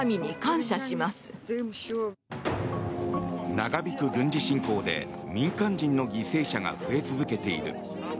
長引く軍事侵攻で民間人の犠牲者が増え続けている。